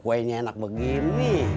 kuainya enak begini